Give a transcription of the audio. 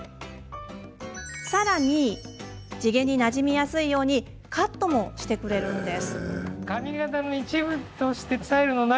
さらに地毛になじみやすいようにカットもしてくれるんです。